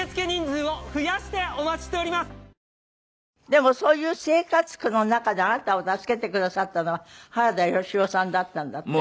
でもそういう生活苦の中であなたを助けてくださったのは原田芳雄さんだったんだって？